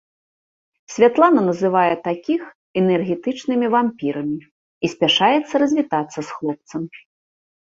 Святлана называе такіх энергетычнымі вампірамі і спяшаецца развітацца з хлопцам.